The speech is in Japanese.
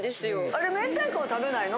あれ明太子は食べないの？